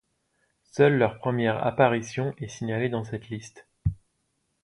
Seule leur première apparition est signalée dans cette liste.